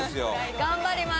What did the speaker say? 頑張ります